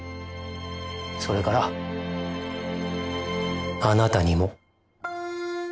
それからあなたにも。